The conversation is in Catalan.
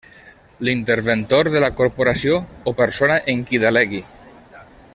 L'Interventor de la Corporació o persona en qui delegui.